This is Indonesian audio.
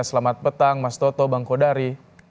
selamat petang mas toto bang kodari